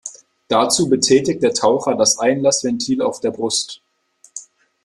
Dazu betätigt der Taucher das Einlassventil auf der Brust.